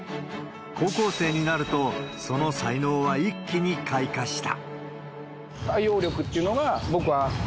高校生になると、その才能は一気に開花した。